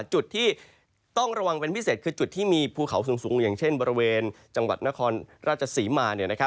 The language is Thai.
จุดที่ต้องระวังเป็นพิเศษคือจุดที่มีภูเขาสูงอย่างเช่นบริเวณจังหวัดนครราชศรีมา